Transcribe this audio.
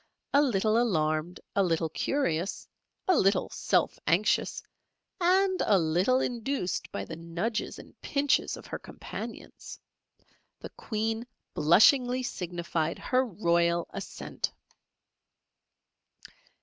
A little alarmed, a little curious, a little self anxious, and a little induced by the nudges and pinches of her companions, the Queen blushingly signified her royal assent.